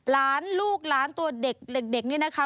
ล้านลูกล้านตัวเด็กเล็กนี่นะคะ